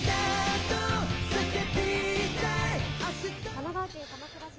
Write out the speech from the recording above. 神奈川県鎌倉市です。